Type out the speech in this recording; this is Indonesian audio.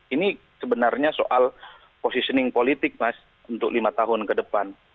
ini sebenarnya soal positioning politik mas untuk lima tahun ke depan